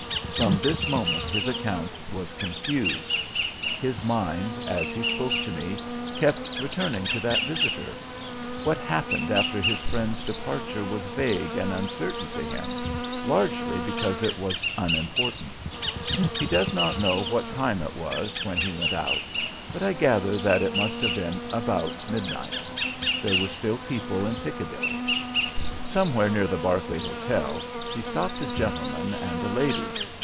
From this moment his account was confused. His mind, as he spoke to me, kept returning to that Visitor... What happened after his Friend's departure was vague and uncertain to him, largely because it was unimportant. He does not know what time it was when he went out, but I gather that it must have been about midnight. There were still people in Piccadilly. Somewhere near the Berkeley Hotel he stopped a gentleman and a lady.